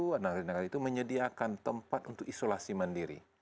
dan adanya nagari itu menyediakan tempat untuk isolasi mandiri